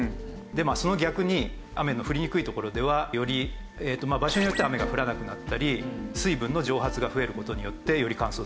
その逆に雨の降りにくい所ではより場所によっては雨が降らなくなったり水分の蒸発が増える事によってより乾燥すると。